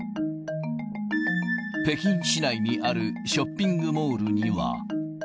北京市内にあるショッピングモールには。